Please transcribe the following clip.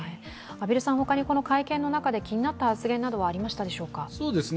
他にこの会見の中で気になった発言などはありましたでしょうか？